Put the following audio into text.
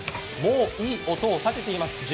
もういい音を立てています。